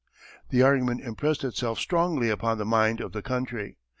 The argument impressed itself strongly upon the mind of the country.